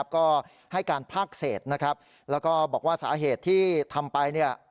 ก็ให้การภาคเศษนะครับแล้วก็บอกว่าสาเหตุที่ทำไป